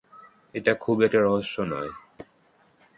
এটা খুব একটা রহস্য নয়।